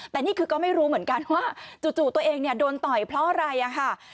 แต่นี่คือก็ไม่รู้เหมือนกันว่าจู่ตัวเองเนี่ยโดนต่อยเพราะอะไรค่ะ